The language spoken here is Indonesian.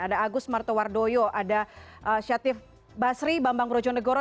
ada agus martowardoyo ada syatif basri bambang brojonegoro